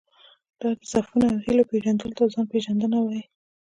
دا د ضعفونو او هیلو پېژندلو ته ځان پېژندنه وایي.